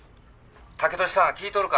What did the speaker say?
剛利さん聞いとるか？